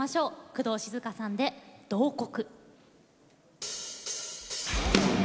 工藤静香さんで「慟哭」。